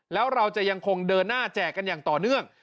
แล้วเราจะยังคงเดินหน้าแจกกันอย่างต่อเนื่อง